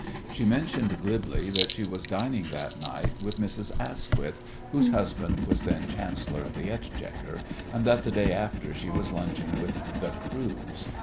She mentioned glibly that she was dining that night with Mrs. Asquith, whose husband was then Chancellor of the Exchequer, and that the day after she was lunching with "the Crewes."